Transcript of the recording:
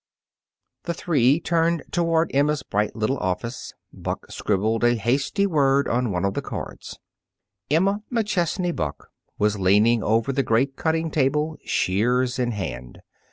The three turned toward Emma's bright little office. Buck scribbled a hasty word on one of the cards. Emma McChesney Buck was leaning over the great cutting table, shears in hand.